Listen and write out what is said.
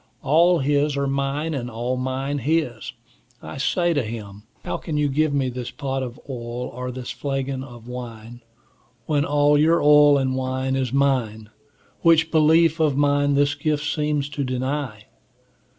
All his are mine, all mine his. I say to him, How can you give me this pot of oil, or this flagon of wine, when all your oil and wine is mine, which belief of mine this gift seems to deny?